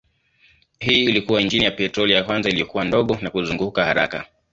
Hii ilikuwa injini ya petroli ya kwanza iliyokuwa ndogo na kuzunguka haraka.